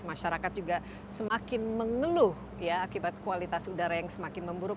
masyarakat juga semakin mengeluh ya akibat kualitas udara yang semakin memburuk